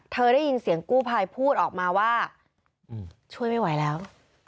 ได้ยินเสียงกู้ภัยพูดออกมาว่าช่วยไม่ไหวแล้ว